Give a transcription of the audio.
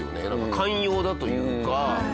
寛容だというか。